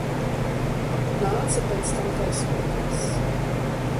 Nāca pēc tam taisnoties.